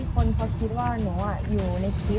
คนเขาคิดว่าหนูอยู่ในคลิป